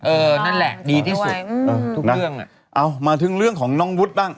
นั่นแหละดีที่สุดเออทุกเรื่องอ่ะเอามาถึงเรื่องของน้องวุฒิบ้าง